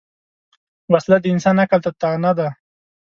وسله د انسان عقل ته طعنه ده